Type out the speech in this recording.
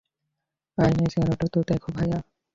আয়নায় চেহারাটা তো দেখো, ভাইয়া।